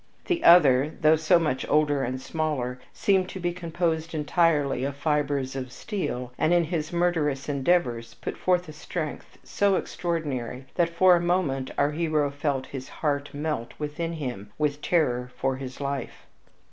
The other, though so much older and smaller, seemed to be composed entirely of fibers of steel, and, in his murderous endeavors, put forth a strength so extraordinary that for a moment our hero felt his heart melt within him with terror for his life.